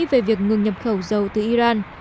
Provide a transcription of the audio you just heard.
về việc ngừng nhập khẩu dầu từ iran